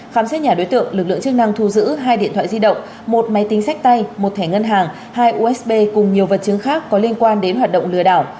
khám xét nhà đối tượng lực lượng chức năng thu giữ hai điện thoại di động một máy tính sách tay một thẻ ngân hàng hai usb cùng nhiều vật chứng khác có liên quan đến hoạt động lừa đảo